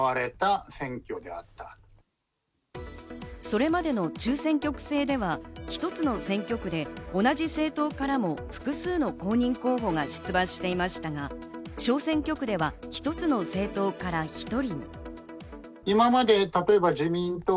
それまでの中選挙区制では一つの選挙区で同じ政党からも複数の公認候補が出馬していましたが、小選挙区では１つの政党から１人。